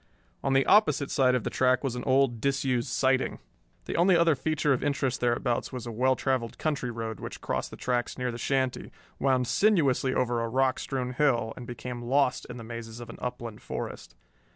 On the opposite side of the track was an old, disused siding. The only other feature of interest thereabouts was a well traveled country road which crossed the tracks near the shanty, wound sinuously over a rock strewn hill and became lost in the mazes of an upland forest.